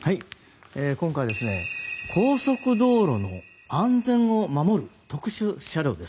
今回高速道路の安全を守る特殊車両です。